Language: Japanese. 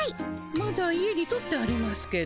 まだ家に取ってありますけど。